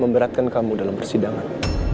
memberatkan kamu dalam persidangan